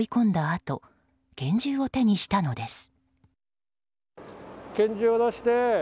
あと拳銃を手にしたのです。